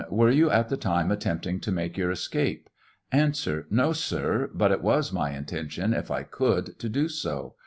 Were you at the time attempting to make your escape ? A. No, sir ; but it was my intention, if I could, to do so.